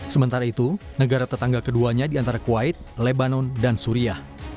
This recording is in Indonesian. sementara itu negara tetangga keduanya di antara kuwait lebanon dan suria